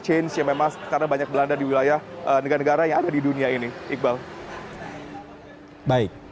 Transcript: change yang memang karena banyak belanda di wilayah negara negara yang ada di dunia ini iqbal baik